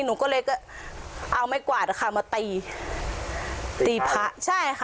หนูก็เลยก็เอาไม้กวาดนะคะมาตีตีพระใช่ค่ะ